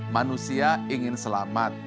manusia ingin selamat